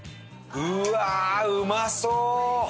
うわあうまそう！